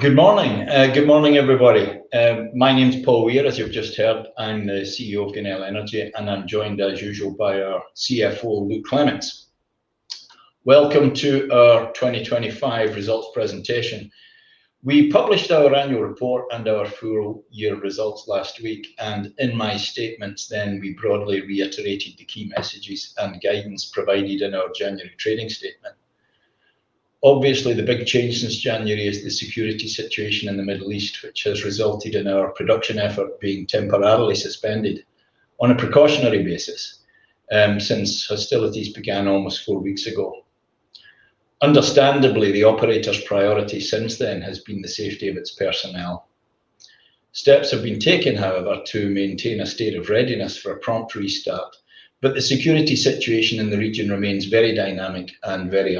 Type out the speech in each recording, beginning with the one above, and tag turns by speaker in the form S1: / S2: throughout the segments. S1: Good morning. Good morning, everybody. My name's Paul Weir, as you've just heard. I'm the CEO of Genel Energy, and I'm joined, as usual, by our CFO, Luke Clements. Welcome to our 2025 results presentation. We published our annual report and our full year results last week, and in my statements then we broadly reiterated the key messages and guidance provided in our January trading statement. Obviously, the big change since January is the security situation in the Middle East, which has resulted in our production effort being temporarily suspended on a precautionary basis since hostilities began almost four weeks ago. Understandably, the operator's priority since then has been the safety of its personnel. Steps have been taken, however, to maintain a state of readiness for a prompt restart, but the security situation in the region remains very dynamic and very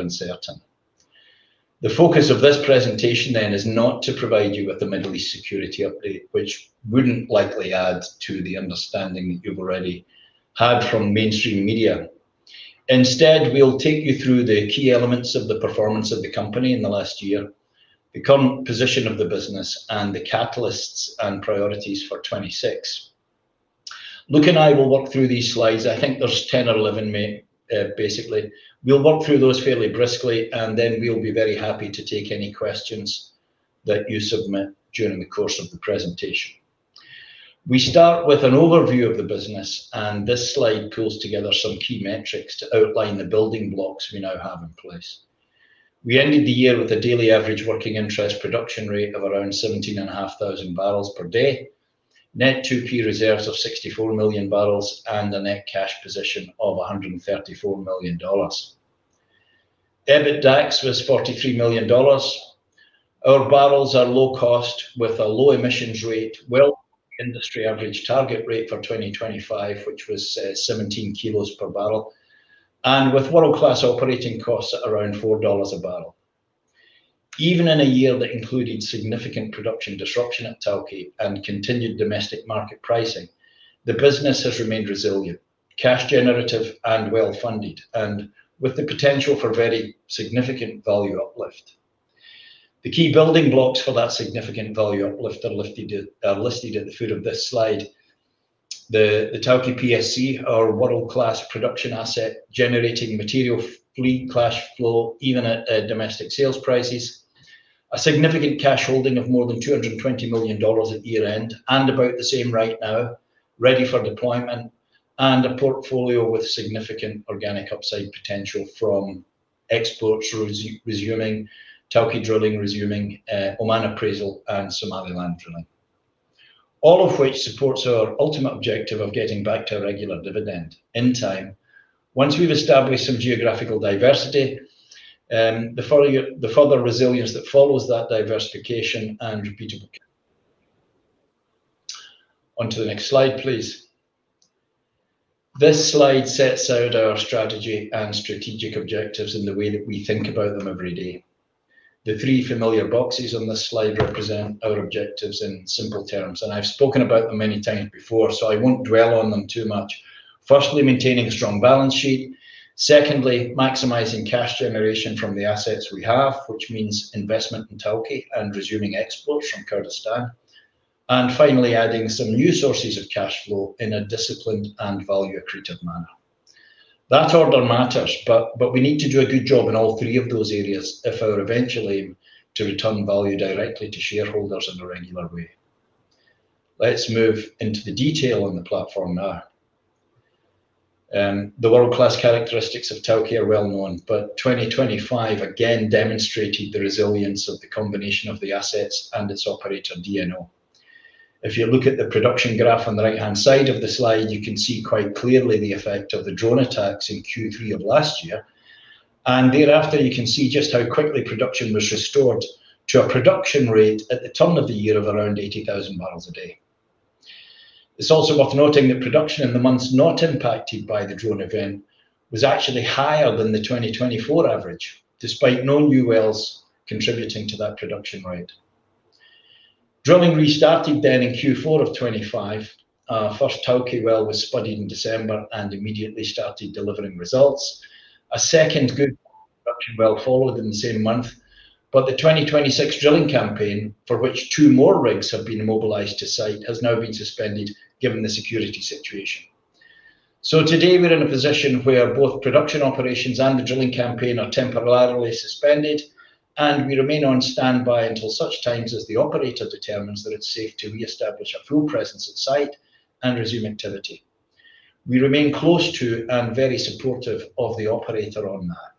S1: uncertain. The focus of this presentation is not to provide you with the Middle East security update, which wouldn't likely add to the understanding you've already had from mainstream media. Instead, we'll take you through the key elements of the performance of the company in the last year, the current position of the business, and the catalysts and priorities for 2026. Luke and I will walk through these slides. I think there's 10 or 11, maybe, basically. We'll walk through those fairly briskly, and then we'll be very happy to take any questions that you submit during the course of the presentation. We start with an overview of the business, and this slide pulls together some key metrics to outline the building blocks we now have in place. We ended the year with a daily average working interest production rate of around 17,500 bbl per day. Net 2P reserves of 64 million barrels and a net cash position of $134 million. EBITDAX was $43 million. Our barrels are low cost with a low emissions rate well below industry average target rate for 2025, which was 17 kg per barrel, and with world-class operating costs at around $4 a barrel. Even in a year that included significant production disruption at Tawke and continued domestic market pricing, the business has remained resilient, cash generative, and well-funded, and with the potential for very significant value uplift. The key building blocks for that significant value uplift are listed at the foot of this slide. The Tawke PSC, our world-class production asset generating material free cash flow even at domestic sales prices. A significant cash holding of more than $220 million at year-end, and about the same right now, ready for deployment, and a portfolio with significant organic upside potential from exports resuming, Tawke drilling resuming, Oman appraisal, and Somaliland drilling. All of which supports our ultimate objective of getting back to a regular dividend in time. Once we've established some geographical diversity, the following year, the further resilience that follows that diversification and repeatable cash. On to the next slide, please. This slide sets out our strategy and strategic objectives in the way that we think about them every day. The three familiar boxes on this slide represent our objectives in simple terms, and I've spoken about them many times before, so I won't dwell on them too much. Firstly, maintaining a strong balance sheet. Secondly, maximizing cash generation from the assets we have, which means investment in Tawke and resuming exports from Kurdistan. Finally, adding some new sources of cash flow in a disciplined and value-accretive manner. That order matters, but we need to do a good job in all three of those areas if we're eventually to return value directly to shareholders in a regular way. Let's move into the detail on the platform now. The world-class characteristics of Tawke are well-known, but 2025 again demonstrated the resilience of the combination of the assets and its operator, DNO. If you look at the production graph on the right-hand side of the slide, you can see quite clearly the effect of the drone attacks in Q3 of last year. Thereafter, you can see just how quickly production was restored to a production rate at the turn of the year of around 80,000 bbl a day. It's also worth noting that production in the months not impacted by the drone event was actually higher than the 2024 average, despite no new wells contributing to that production rate. Drilling restarted then in Q4 of 2025. First Tawke well was spudded in December and immediately started delivering results. A second good production well followed in the same month, but the 2026 drilling campaign, for which two more rigs have been mobilized to site, has now been suspended given the security situation. Today, we're in a position where both production operations and the drilling campaign are temporarily suspended, and we remain on standby until such times as the operator determines that it's safe to reestablish a full presence at site and resume activity. We remain close to and very supportive of the operator on that.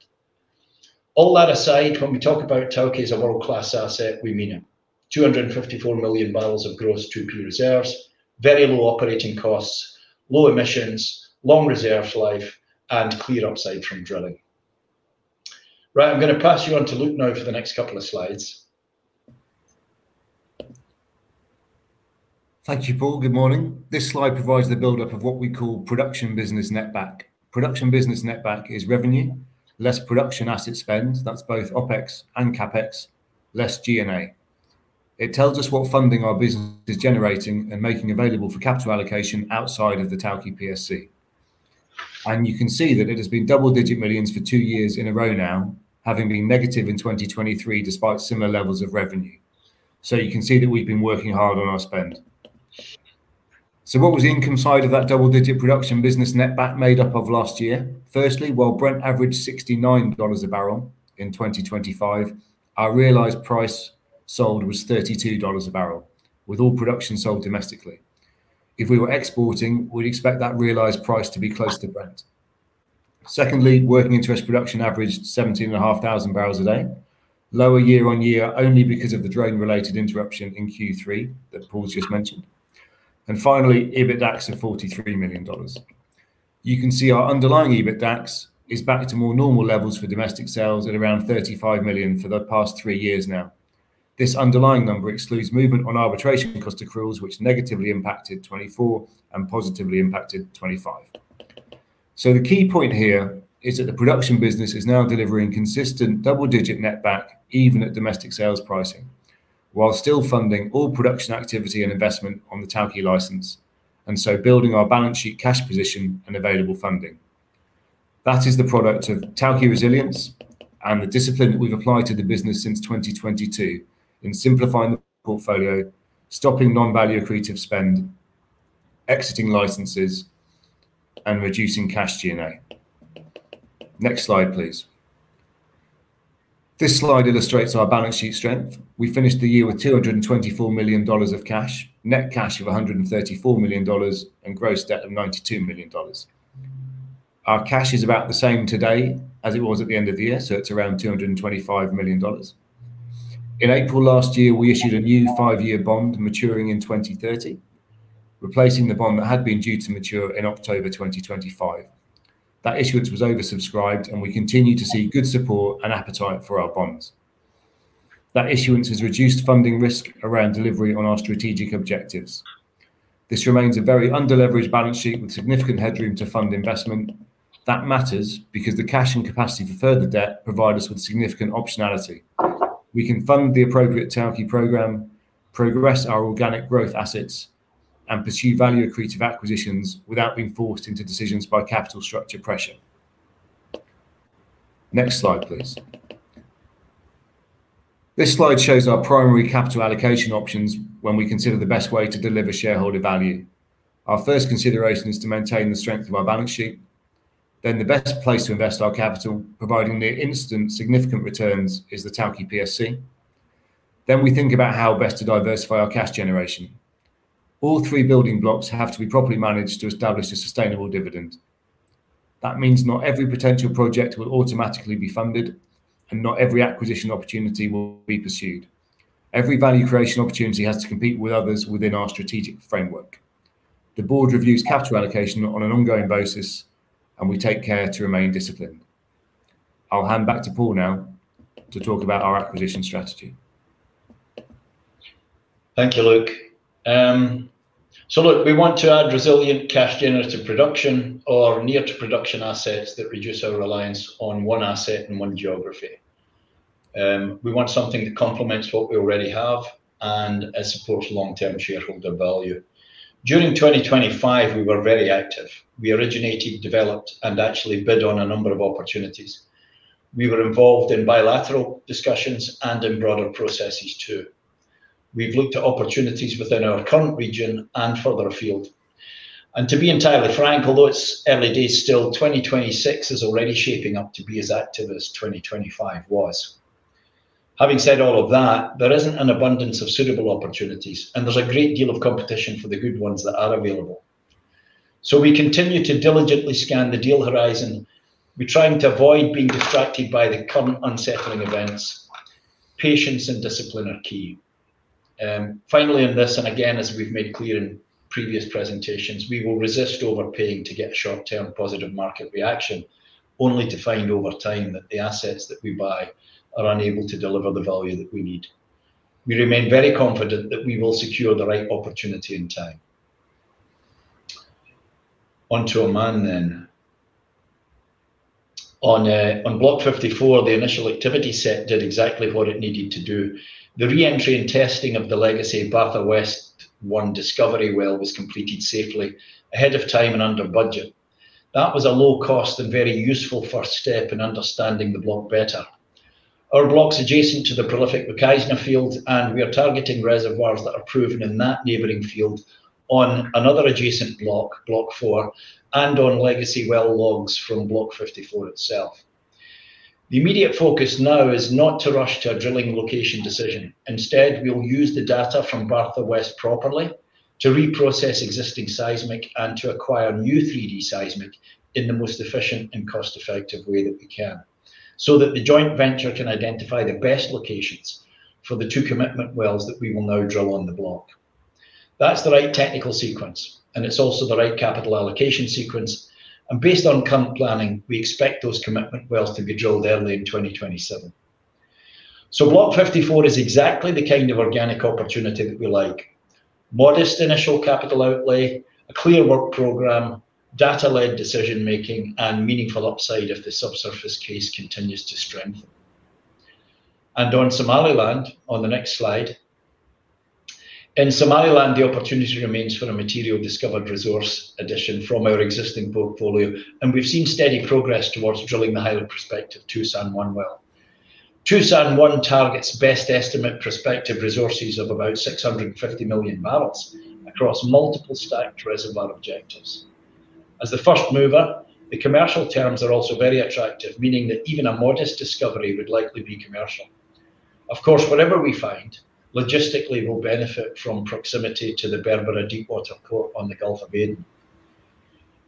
S1: All that aside, when we talk about Tawke as a world-class asset, we mean it. 254 million barrels of gross 2P reserves, very low operating costs, low emissions, long reserve life, and clear upside from drilling. Right, I'm gonna pass you on to Luke now for the next couple of slides.
S2: Thank you, Paul. Good morning. This slide provides the buildup of what we call production business netback. Production business netback is revenue, less production asset spend, that's both OpEx and CapEx, less G&A. It tells us what funding our business is generating and making available for capital allocation outside of the Tawke PSC. You can see that it has been double-digit millions for two years in a row now, having been negative in 2023 despite similar levels of revenue. You can see that we've been working hard on our spend. What was the income side of that double-digit production business netback made up of last year? Firstly, while Brent averaged $69 a barrel in 2024, our realized price sold was $32 a barrel, with all production sold domestically. If we were exporting, we'd expect that realized price to be close to Brent. Secondly, working interest production averaged 17,500 bbl a day. Lower year on year only because of the drone-related interruption in Q3 that Paul's just mentioned. Finally, EBITDAX of $43 million. You can see our underlying EBITDAX is back to more normal levels for domestic sales at around $35 million for the past three years now. This underlying number excludes movement on arbitration cost accruals, which negatively impacted 2024 and positively impacted 2025. The key point here is that the production business is now delivering consistent double-digit netback, even at domestic sales pricing, while still funding all production activity and investment on the Tawke license, and so building our balance sheet cash position and available funding. That is the product of Tawke resilience and the discipline that we've applied to the business since 2022 in simplifying the portfolio, stopping non-value accretive spend, exiting licenses, and reducing cash G&A. Next slide, please. This slide illustrates our balance sheet strength. We finished the year with $224 million of cash, net cash of $134 million, and gross debt of $92 million. Our cash is about the same today as it was at the end of the year, so it's around $225 million. In April last year, we issued a new five-year bond maturing in 2030, replacing the bond that had been due to mature in October 2025. That issuance was oversubscribed, and we continue to see good support and appetite for our bonds. That issuance has reduced funding risk around delivery on our strategic objectives. This remains a very under-leveraged balance sheet with significant headroom to fund investment. That matters because the cash and capacity for further debt provide us with significant optionality. We can fund the appropriate Tawke program, progress our organic growth assets, and pursue value-accretive acquisitions without being forced into decisions by capital structure pressure. Next slide, please. This slide shows our primary capital allocation options when we consider the best way to deliver shareholder value. Our first consideration is to maintain the strength of our balance sheet. Then the best place to invest our capital, providing near-instant significant returns, is the Tawke PSC. Then we think about how best to diversify our cash generation. All three building blocks have to be properly managed to establish a sustainable dividend. That means not every potential project will automatically be funded, and not every acquisition opportunity will be pursued. Every value creation opportunity has to compete with others within our strategic framework. The board reviews capital allocation on an ongoing basis, and we take care to remain disciplined. I'll hand back to Paul now to talk about our acquisition strategy.
S1: Thank you, Luke. Look, we want to add resilient cash generative production or near to production assets that reduce our reliance on one asset and one geography. We want something that complements what we already have and supports long-term shareholder value. During 2025, we were very active. We originated, developed, and actually bid on a number of opportunities. We were involved in bilateral discussions and in broader processes too. We've looked at opportunities within our current region and further afield. To be entirely frank, although it's early days still, 2026 is already shaping up to be as active as 2025 was. Having said all of that, there isn't an abundance of suitable opportunities, and there's a great deal of competition for the good ones that are available. We continue to diligently scan the deal horizon. We're trying to avoid being distracted by the current unsettling events. Patience and discipline are key. Finally on this, and again, as we've made clear in previous presentations, we will resist overpaying to get short-term positive market reaction, only to find over time that the assets that we buy are unable to deliver the value that we need. We remain very confident that we will secure the right opportunity and time. On to Oman then. On Block 54, the initial activity set did exactly what it needed to do. The re-entry and testing of the legacy Batha West-1 discovery well was completed safely ahead of time and under budget. That was a low-cost and very useful first step in understanding the block better. Our block's adjacent to the prolific Mukhaizna field, and we are targeting reservoirs that are proven in that neighboring field on another adjacent block, Block 4, and on legacy well logs from Block 54 itself. The immediate focus now is not to rush to a drilling location decision. Instead, we'll use the data from Batha West properly to reprocess existing seismic and to acquire new 3D seismic in the most efficient and cost-effective way that we can so that the joint venture can identify the best locations for the two commitment wells that we will now drill on the block. That's the right technical sequence, and it's also the right capital allocation sequence, and based on current planning, we expect those commitment wells to be drilled early in 2027. Block 54 is exactly the kind of organic opportunity that we like. Modest initial capital outlay, a clear work program, data-led decision-making, and meaningful upside if the subsurface case continues to strengthen. On Somaliland, on the next slide. In Somaliland, the opportunity remains for a material discovered resource addition from our existing portfolio, and we've seen steady progress towards drilling the highly prospective Toosan-1 well. Toosan-1 targets best estimate prospective resources of about 650 million barrels across multiple stacked reservoir objectives. As the first mover, the commercial terms are also very attractive, meaning that even a modest discovery would likely be commercial. Of course, whatever we find logistically will benefit from proximity to the Berbera Deep Water port on the Gulf of Aden.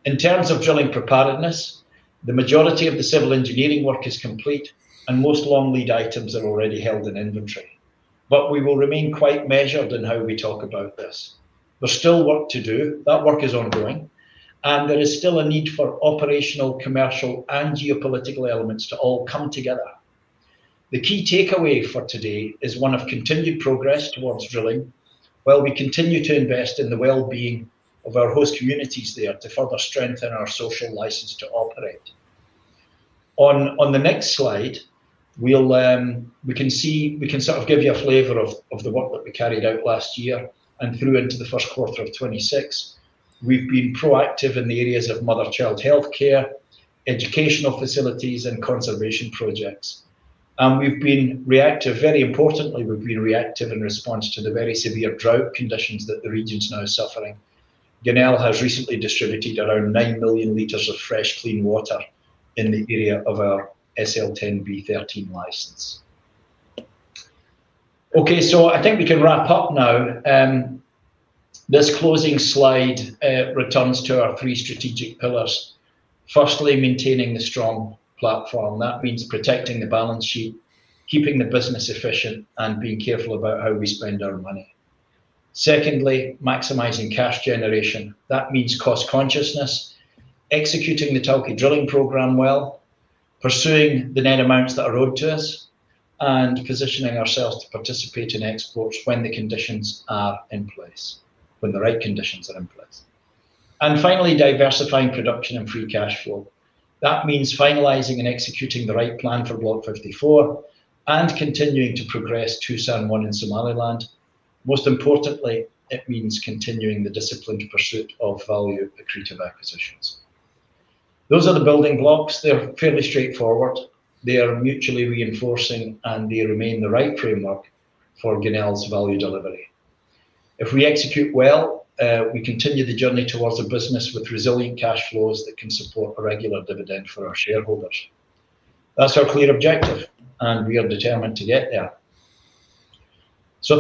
S1: In terms of drilling preparedness, the majority of the civil engineering work is complete and most long lead items are already held in inventory. We will remain quite measured in how we talk about this. There's still work to do. That work is ongoing, and there is still a need for operational, commercial, and geopolitical elements to all come together. The key takeaway for today is one of continued progress towards drilling, while we continue to invest in the well-being of our host communities there to further strengthen our social license to operate. On the next slide, we can sort of give you a flavor of the work that we carried out last year and through into the first quarter of 2026. We've been proactive in the areas of mother-child healthcare, educational facilities and conservation projects. Very importantly, we've been reactive in response to the very severe drought conditions that the region is now suffering. Genel has recently distributed around 9 million liters of fresh, clean water in the area of our SL10B/13 license. Okay. I think we can wrap up now. This closing slide returns to our three strategic pillars. Firstly, maintaining the strong platform. That means protecting the balance sheet, keeping the business efficient, and being careful about how we spend our money. Secondly, maximizing cash generation. That means cost consciousness, executing the Tawke drilling program well, pursuing the net amounts that are owed to us, and positioning ourselves to participate in exports when the conditions are in place, when the right conditions are in place. Finally, diversifying production and free cash flow. That means finalizing and executing the right plan for Block 54 and continuing to progress Toosan-1 in Somaliland. Most importantly, it means continuing the disciplined pursuit of value-accretive acquisitions. Those are the building blocks. They're fairly straightforward. They are mutually reinforcing, and they remain the right framework for Genel's value delivery. If we execute well, we continue the journey towards a business with resilient cash flows that can support a regular dividend for our shareholders. That's our clear objective, and we are determined to get there.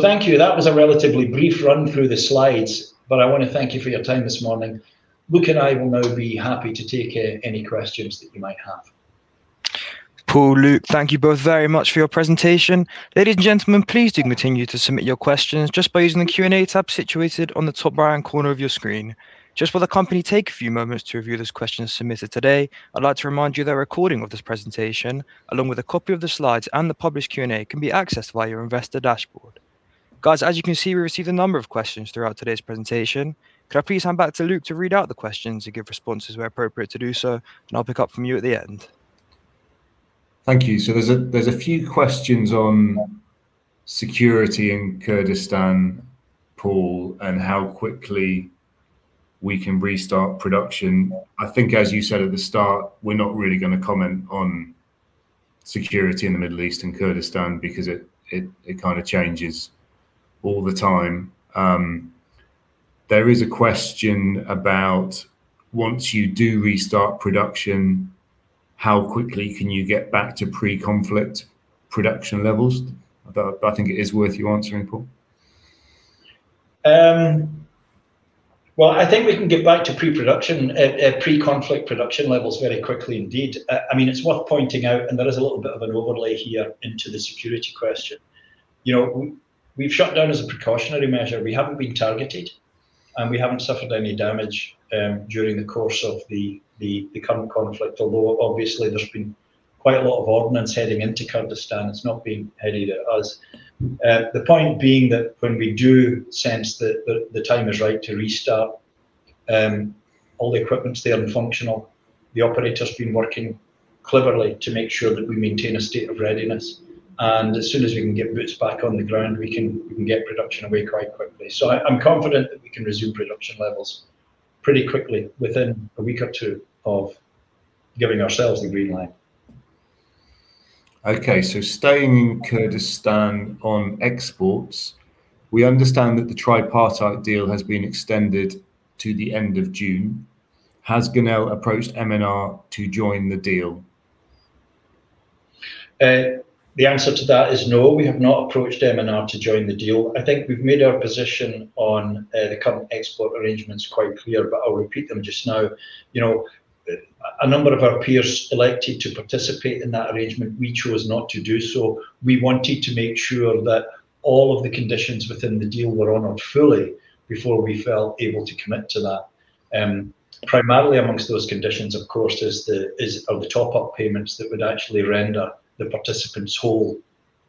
S1: Thank you. That was a relatively brief run through the slides, but I wanna thank you for your time this morning. Luke and I will now be happy to take any questions that you might have.
S3: Paul, Luke, thank you both very much for your presentation. Ladies and gentlemen, please do continue to submit your questions just by using the Q&A tab situated on the top right-hand corner of your screen. Just while the company take a few moments to review those questions submitted today, I'd like to remind you that a recording of this presentation, along with a copy of the slides and the published Q&A, can be accessed via your investor dashboard. Guys, as you can see, we received a number of questions throughout today's presentation. Could I please hand back to Luke to read out the questions and give responses where appropriate to do so, and I'll pick up from you at the end.
S2: Thank you. There's a few questions on security in Kurdistan, Paul, and how quickly we can restart production. I think as you said at the start, we're not really gonna comment on security in the Middle East and Kurdistan because it kinda changes all the time. There is a question about once you do restart production, how quickly can you get back to pre-conflict production levels? That I think it is worth you answering, Paul.
S1: Well, I think we can get back to pre-conflict production levels very quickly indeed. I mean, it's worth pointing out, and there is a little bit of an overlay here into the security question. You know, we've shut down as a precautionary measure. We haven't been targeted, and we haven't suffered any damage during the course of the current conflict, although obviously there's been quite a lot of ordnance heading into Kurdistan. It's not been headed at us. The point being that when we do sense that the time is right to restart, all the equipment's there and functional. The operator's been working cleverly to make sure that we maintain a state of readiness. As soon as we can get boots back on the ground, we can get production away quite quickly. I'm confident that we can resume production levels pretty quickly within a week or two of giving ourselves the green light.
S2: Okay. Staying in Kurdistan on exports, we understand that the tripartite deal has been extended to the end of June. Has Genel approached MNR to join the deal?
S1: The answer to that is no. We have not approached MNR to join the deal. I think we've made our position on the current export arrangements quite clear, but I'll repeat them just now. You know, a number of our peers elected to participate in that arrangement. We chose not to do so. We wanted to make sure that all of the conditions within the deal were honored fully before we felt able to commit to that. Primarily amongst those conditions, of course, is the top-up payments that would actually render the participants whole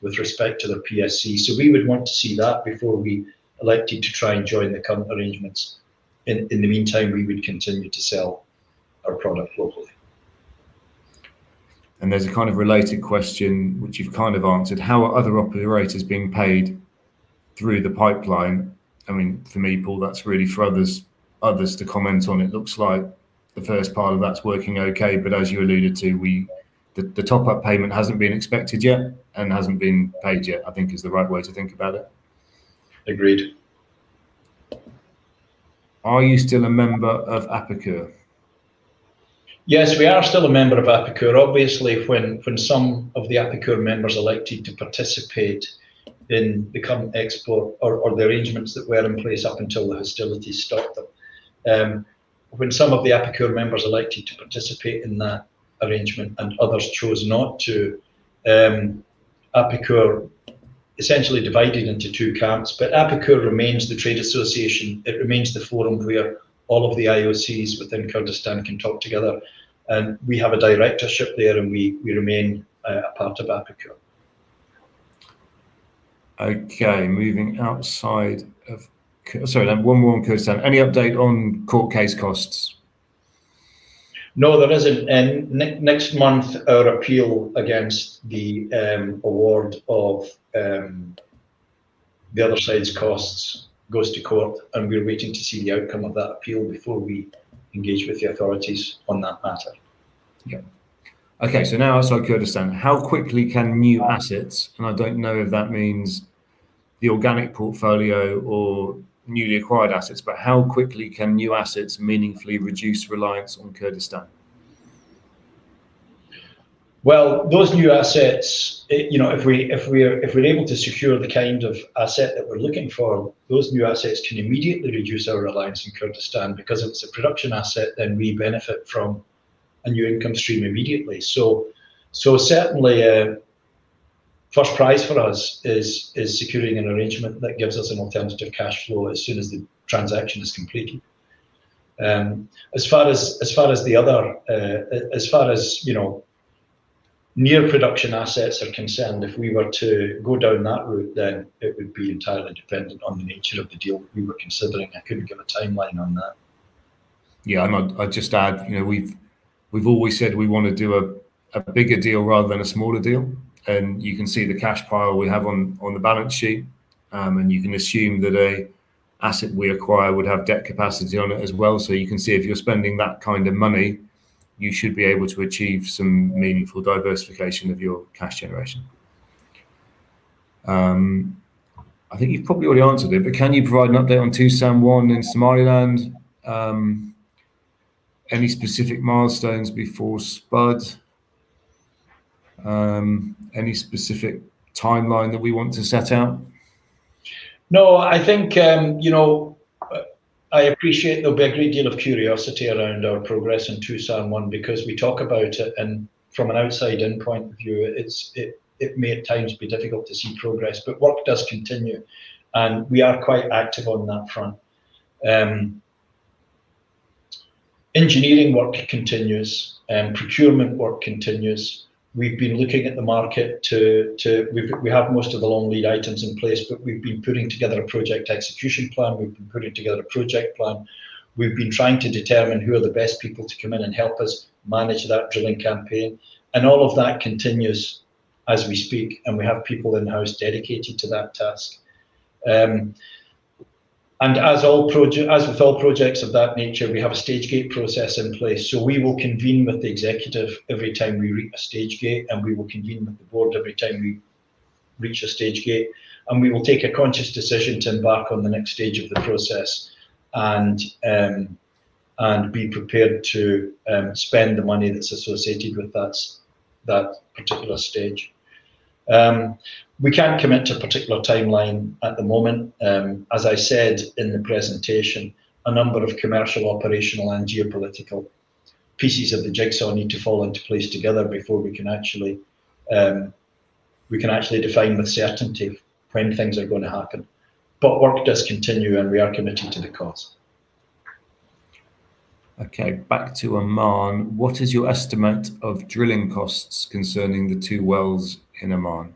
S1: with respect to the PSC. We would want to see that before we elected to try and join the current arrangements. In the meantime, we would continue to sell our product locally.
S2: There's a kind of related question which you've kind of answered. How are other operators being paid through the pipeline? I mean, for me, Paul, that's really for others to comment on. It looks like the first part of that's working okay, but as you alluded to, the top-up payment hasn't been expected yet and hasn't been paid yet, I think is the right way to think about it.
S1: Agreed.
S2: Are you still a member of APIKUR?
S1: Yes, we are still a member of APIKUR. Obviously, when some of the APIKUR members elected to participate in that arrangement and others chose not to, APIKUR essentially divided into two camps. APIKUR remains the trade association. It remains the forum where all of the IOCs within Kurdistan can talk together, and we have a directorship there, and we remain a part of APIKUR.
S2: Sorry, one more on Kurdistan. Any update on court case costs?
S1: No, there isn't. Next month our appeal against the award of the other side's costs goes to court, and we're waiting to see the outcome of that appeal before we engage with the authorities on that matter.
S2: Okay, now also on Kurdistan. How quickly can new assets, and I don't know if that means the organic portfolio or newly acquired assets, but how quickly can new assets meaningfully reduce reliance on Kurdistan?
S1: Well, those new assets, you know, if we're able to secure the kind of asset that we're looking for, those new assets can immediately reduce our reliance in Kurdistan. Because it's a production asset, then we benefit from a new income stream immediately. Certainly, first prize for us is securing an arrangement that gives us an alternative cash flow as soon as the transaction is completed. As far as the other, you know, near production assets are concerned, if we were to go down that route, then it would be entirely dependent on the nature of the deal we were considering. I couldn't give a timeline on that.
S2: Yeah. I'd just add, you know, we've always said we wanna do a bigger deal rather than a smaller deal, and you can see the cash pile we have on the balance sheet. You can assume that an asset we acquire would have debt capacity on it as well. You can see if you're spending that kind of money, you should be able to achieve some meaningful diversification of your cash generation. I think you've probably already answered it, but can you provide an update on Toosan-1 in Somaliland? Any specific milestones before spud? Any specific timeline that we want to set out?
S1: No. I think, you know, I appreciate there'll be a great deal of curiosity around our progress in Toosan-1 because we talk about it. From an outside-in point of view, it may at times be difficult to see progress, but work does continue, and we are quite active on that front. Engineering work continues and procurement work continues. We've been looking at the market. We have most of the long lead items in place, but we've been putting together a project execution plan. We've been putting together a project plan. We've been trying to determine who are the best people to come in and help us manage that drilling campaign. All of that continues as we speak, and we have people in-house dedicated to that task. As with all projects of that nature, we have a stage gate process in place. We will convene with the executive every time we reach a stage gate, and we will convene with the board every time we reach a stage gate. We will take a conscious decision to embark on the next stage of the process and be prepared to spend the money that's associated with that particular stage. We can't commit to a particular timeline at the moment. As I said in the presentation, a number of commercial, operational, and geopolitical pieces of the jigsaw need to fall into place together before we can actually define with certainty when things are gonna happen. Work does continue, and we are committed to the cause.
S2: Okay. Back to Oman. What is your estimate of drilling costs concerning the 2 wells in Oman?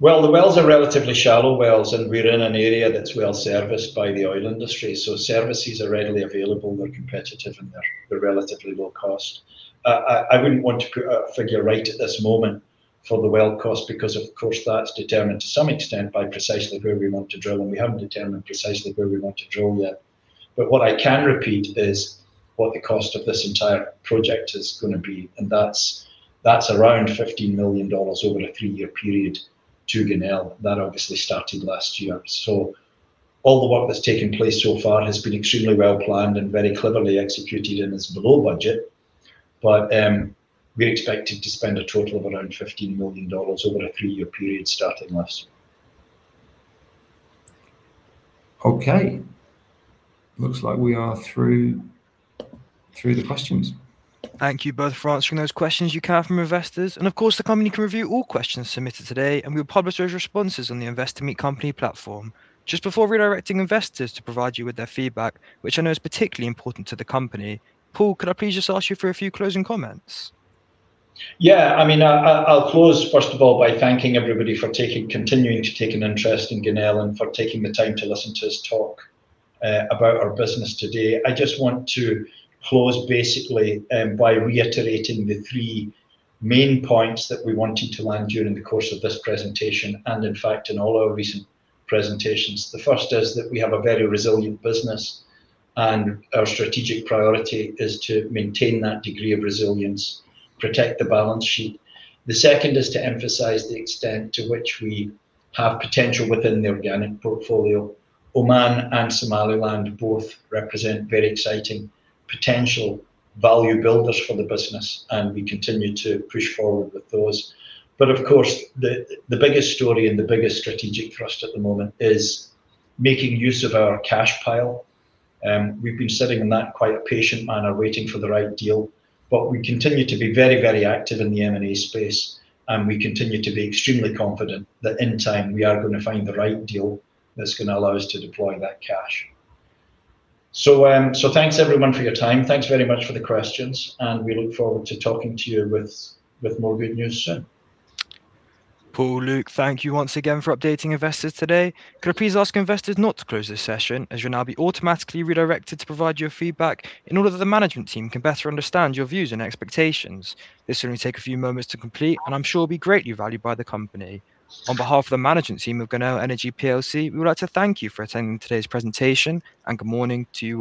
S1: Well, the wells are relatively shallow wells, and we're in an area that's well serviced by the oil industry. Services are readily available. They're competitive, and they're relatively low cost. I wouldn't want to put a figure right at this moment for the well cost because of course that's determined to some extent by precisely where we want to drill, and we haven't determined precisely where we want to drill yet. But what I can repeat is what the cost of this entire project is gonna be, and that's around $50 million over a three-year period to Genel. That obviously started last year. All the work that's taken place so far has been extremely well planned and very cleverly executed, and it's below budget. We're expecting to spend a total of around $50 million over a three-year period starting last year.
S2: Okay. Looks like we are through the questions.
S3: Thank you both for answering those questions you have from investors. Of course, the company can review all questions submitted today, and we'll publish those responses on the Investor Meet Company platform. Just before redirecting investors to provide you with their feedback, which I know is particularly important to the company, Paul, could I please just ask you for a few closing comments?
S1: Yeah. I mean, I’ll close first of all by thanking everybody for continuing to take an interest in Genel and for taking the time to listen to us talk about our business today. I just want to close basically by reiterating the three main points that we wanted to land during the course of this presentation, and in fact in all our recent presentations. The first is that we have a very resilient business, and our strategic priority is to maintain that degree of resilience, protect the balance sheet. The second is to emphasize the extent to which we have potential within the organic portfolio. Oman and Somaliland both represent very exciting potential value builders for the business, and we continue to push forward with those. Of course, the biggest story and the biggest strategic thrust at the moment is making use of our cash pile. We've been sitting on that quite patiently and are waiting for the right deal. We continue to be very active in the M&A space, and we continue to be extremely confident that in time we are gonna find the right deal that's gonna allow us to deploy that cash. Thanks everyone for your time. Thanks very much for the questions, and we look forward to talking to you with more good news soon.
S3: Paul, Luke, thank you once again for updating investors today. Could I please ask investors not to close this session, as you'll now be automatically redirected to provide your feedback in order that the management team can better understand your views and expectations. This will only take a few moments to complete, and I'm sure will be greatly valued by the company. On behalf of the management team of Genel Energy plc, we would like to thank you for attending today's presentation. Good morning to you.